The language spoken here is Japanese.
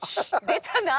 出たな。